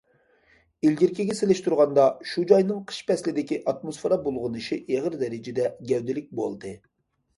ئىلگىرىكىگە سېلىشتۇرغاندا، شۇ جاينىڭ قىش پەسلىدىكى ئاتموسفېرا بۇلغىنىشى ئېغىر دەرىجىدە گەۋدىلىك بولدى.